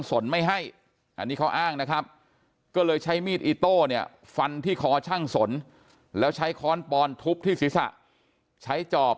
สนไม่ให้อันนี้เขาอ้างนะครับก็เลยใช้มีดอีโต้เนี่ยฟันที่คอช่างสนแล้วใช้